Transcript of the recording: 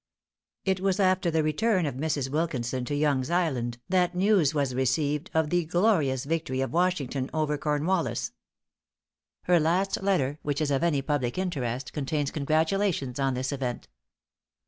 It was after the return of Mrs. Wilkinson to Yonge's Island, that news was received of the glorious victory of Washington over Cornwallis. Her last letter which is of any public interest, contains congratulations on this event.